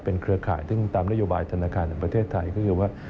เครือข่ายซึ่งตามนโยบายธนาคารแห่งประเทศไทยก็คือว่า